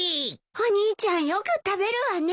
お兄ちゃんよく食べるわね。